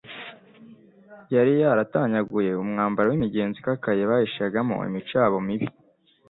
Yari yaratanyaguye umwambaro w'imigenzo ikakaye bahishagamo imico yabo mibi.